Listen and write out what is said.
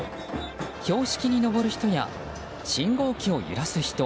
標識に登る人や信号機を揺らす人。